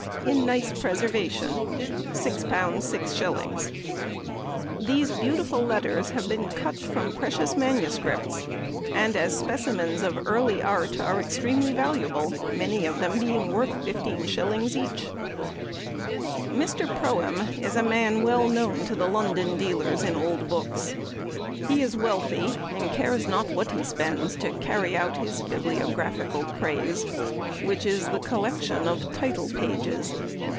IN NICE PRESERVATION, L6 6_s_. These beautiful letters have been cut from precious MSS., and as specimens of early art are extremely valuable, many of them being worth 15_s_. each." Mr. Proeme is a man well known to the London dealers in old books. He is wealthy, and cares not what he spends to carry out his bibliographical craze, which is the collection of title pages.